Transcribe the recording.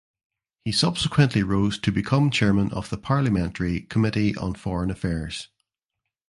He subsequently rose to become chairman of the Parliamentary Committee on Foreign Affairs.